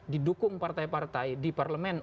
didukung partai partai di parlemen